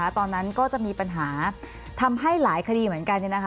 ตอนนั้นก็จะมีปัญหาทำให้หลายคดีเหมือนกัน